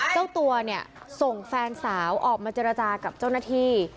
เจ้าตัวเนี่ยส่งแฟนสาวออกมาเจรจากับเจ้าหน้าที่